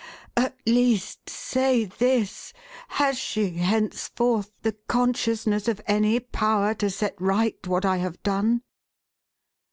" At least, say this — has she, henceforth, the consciousness of any power to set right what I have done